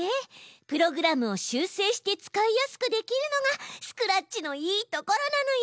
プログラムを修正して使いやすくできるのがスクラッチのいいところなのよ！